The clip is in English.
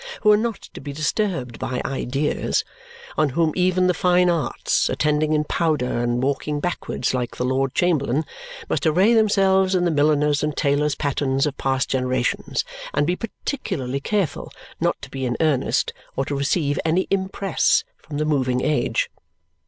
Who are not to be disturbed by ideas. On whom even the fine arts, attending in powder and walking backward like the Lord Chamberlain, must array themselves in the milliners' and tailors' patterns of past generations and be particularly careful not to be in earnest or to receive any impress from the moving age.